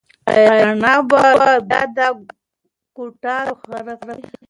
ایا رڼا به بيا دا کوټه روښانه کړي؟